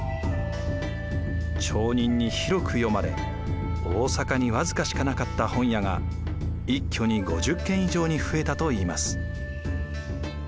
町人に広く読まれ大坂に僅かしかなかった本屋が一挙に５０軒以上に増えたといいます。